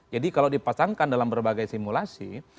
jadi kalau dipasangkan dalam berbagai simulasi